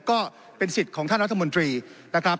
ก็เป็นสิทธิ์ของท่านรัฐมนตรีนะครับ